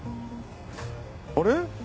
あれ？